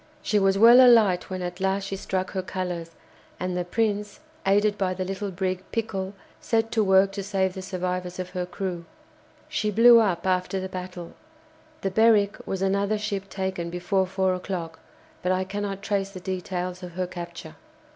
She was well alight when at last she struck her colours, and the "Prince," aided by the little brig "Pickle," set to work to save the survivors of her crew. She blew up after the battle. The "Berwick" was another ship taken before four o'clock, but I cannot trace the details of her capture.